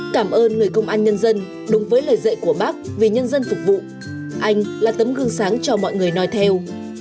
cảm ơn người công an nhân dân đúng với lời dạy của bác vì nhân dân phục vụ anh là tấm gương sáng cho mọi người nói theo